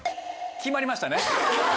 決まりましたね。